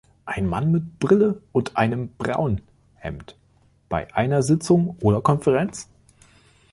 Ein Mann mit Brille und einem braun Hemd bei einer Sitzung oder Konferenz.